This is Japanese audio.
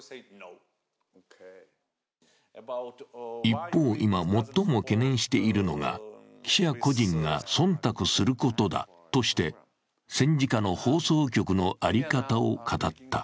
一方、今最も懸念しているのが、記者個人が忖度することだとして、戦時下の放送局の在り方を語った。